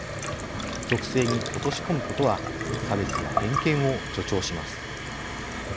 属性に落とし込むことは差別や偏見を助長します。